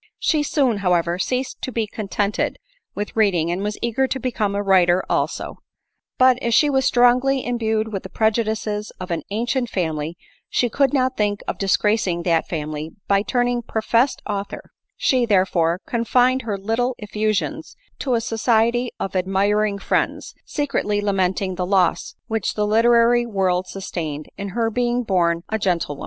She soon, however, ceased to be contented with read ing, and was eager to become a writer also. But, as she was strongly imbued with the prejudices of an ancient family, she could not think of disgracing that family by turning professed author y she, therefore, confined her little effusions to a society of admiring friends, secretly lamenting the loss which the literary world sustained in her being born a gentlewoman.